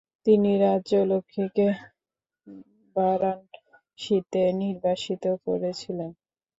তিনি রাজ্য লক্ষ্মীকে বারাণসীতে নির্বাসিত করেছিলেন।